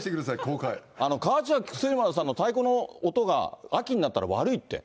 月村さんの太鼓の音が秋になったら悪いって。